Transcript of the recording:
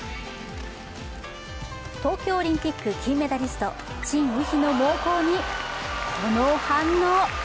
東京オリンピック金メダリスト・陳雨菲の猛攻にこの反応。